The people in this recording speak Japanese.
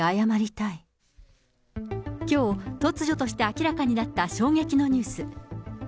きょう、突如として明らかになった衝撃のニュース。